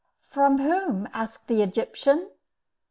"From whom?" asked the Egyptian.